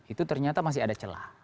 itu ternyata masih ada celah